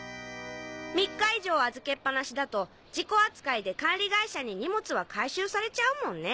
３日以上預けっぱなしだと事故扱いで管理会社に荷物は回収されちゃうもんね。